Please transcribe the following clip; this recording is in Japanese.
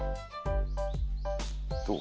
どう？